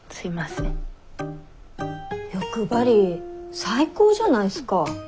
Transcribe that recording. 欲張り最高じゃないっすか。